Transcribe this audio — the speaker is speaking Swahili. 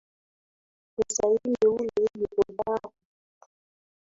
Msanii yule ni hodari